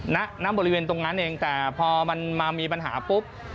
ณบริเวณตรงนั้นเองแต่พอมันมามีปัญหาปุ๊บ